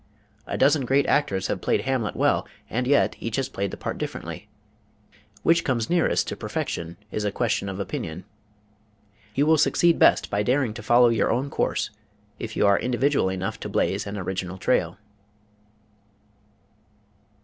A dozen great actors have played Hamlet well, and yet each has played the part differently. Which comes the nearest to perfection is a question of opinion. You will succeed best by daring to follow your own course if you are individual enough to blaze an original trail.